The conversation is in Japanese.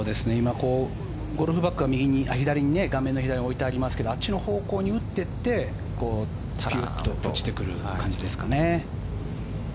ゴルフバッグは画面の左上に置いてありますけどあっちの方向に打っていって落ちてくる感じですかね。